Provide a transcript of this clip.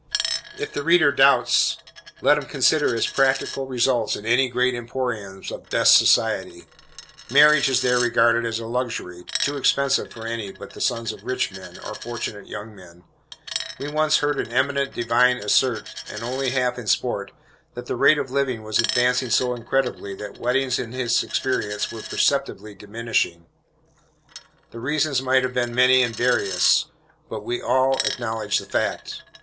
If the reader doubts, let him consider its practical results in any great emporiums of "best society." Marriage is there regarded as a luxury, too expensive for any but the sons of rich men, or fortunate young men. We once heard an eminent divine assert, and only half in sport, that the rate of living was advancing so incredibly, that weddings in his experience were perceptibly diminishing. The reasons might have been many and various. But we all acknowledge the fact.